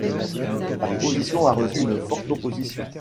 La proposition a reçu une forte opposition.